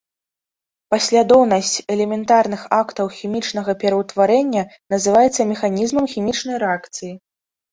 Паслядоўнасць элементарных актаў хімічнага пераўтварэння называецца механізмам хімічнай рэакцыі.